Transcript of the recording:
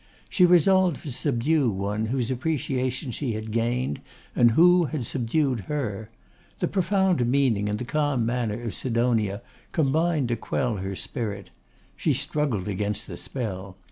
She resolved to subdue one whose appreciation she had gained, and who had subdued her. The profound meaning and the calm manner of Sidonia combined to quell her spirit. She struggled against the spell.